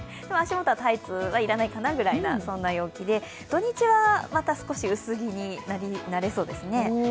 足元はタイツはいらないかなぐらいのそんな陽気で土日は、また少し薄着になれそうですね。